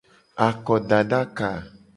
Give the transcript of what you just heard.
Akodadaka.